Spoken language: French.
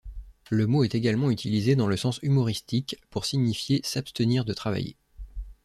Le mot est également utilisé dans le sens humoristique pour signifier s'abstenir de travailler.